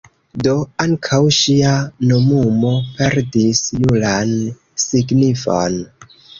Do ankaŭ ŝia nomumo perdis juran signifon.